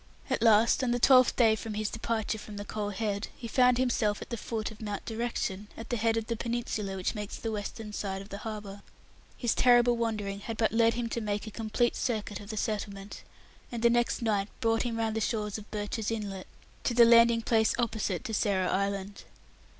At last, on the twelfth day from his departure from the Coal Head, he found himself at the foot of Mount Direction, at the head of the peninsula which makes the western side of the harbour. His terrible wandering had but led him to make a complete circuit of the settlement, and the next night brought him round the shores of Birches Inlet to the landing place opposite to Sarah Island.